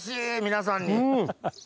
皆さんに。